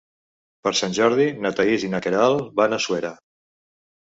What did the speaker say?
Per Sant Jordi na Thaís i na Queralt van a Suera.